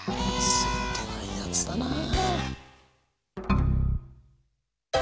ついてないやつだなあ。